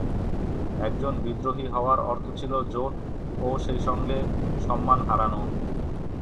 একজন "বিদ্রোহী" হওয়ার অর্থ ছিল জোট ও সেইসঙ্গে সম্মান হারানো।